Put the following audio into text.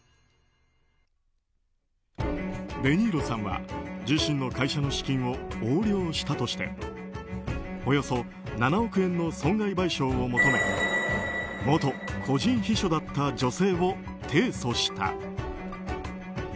デ・ニーロさんは自身の会社の資金を横領したとしておよそ７億円の損害賠償を求め元個人秘書だった女性を提訴した。